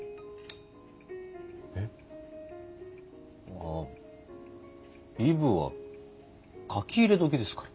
えっ？ああイブは書き入れ時ですから。